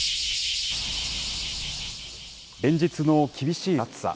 連日の厳しい暑さ。